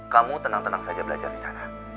kamu tenang tenang saja belajar disana